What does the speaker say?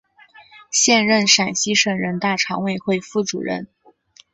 现任陕西省人大常委会副主任。